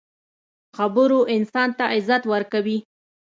خبرو انسان ته عزت ورکوي.